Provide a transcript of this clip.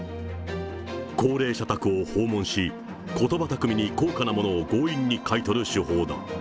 高齢者宅を訪問し、ことば巧みに高価なものを強引に買い取る手法だ。